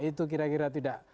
itu kira kira tidak